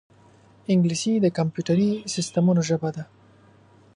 انګلیسي د کمپیوټري سیستمونو ژبه ده